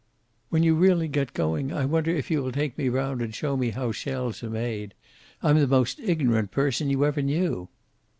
"When you really get going, I wonder if you will take me round and show me how shells are made. I'm the most ignorant person you ever knew."